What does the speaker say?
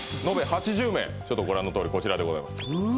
８０名ちょっとご覧のとおりこちらでございますうわ！